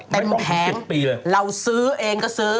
เต็มแพงเราซื้อเองก็ซื้อ